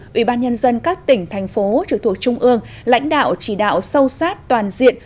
ủy ban nhân dân các tỉnh thành phố trực thuộc trung ương lãnh đạo chỉ đạo sâu sát toàn diện